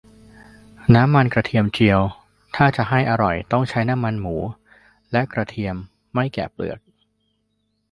น้ำมันกระเทียมเจียว ถ้าจะให้อร่อยต้องใช้น้ำมันหมู และกระเทียมไม่แกะเปลือก